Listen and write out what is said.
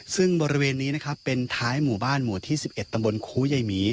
ซึ่งบริเวณนี้นะครับเป็นท้ายหมู่บ้านหมู่ที่๑๑ตำบลคูยายหมี